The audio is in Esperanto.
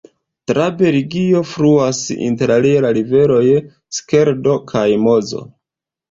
Tra Belgio fluas interalie la riveroj Skeldo kaj Mozo.